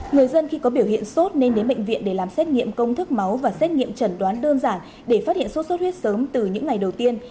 người dân khi có biểu hiện sốt nên đến bệnh viện để làm xét nghiệm công thức máu và xét nghiệm chẩn đoán đơn giản để phát hiện sốt sốt huyết sớm từ những ngày đầu tiên